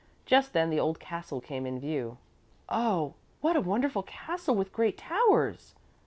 Just then the old castle came in view. "Oh, what a wonderful castle with great towers!"